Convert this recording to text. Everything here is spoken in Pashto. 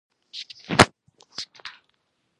له دې پرته چې ژبني اصول او ادبيات مراعت کړي خبرې يې وکړې.